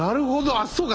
あっそうか。